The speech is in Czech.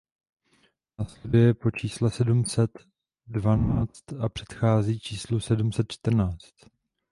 Následuje po čísle sedm set dvanáct a předchází číslu sedm set čtrnáct.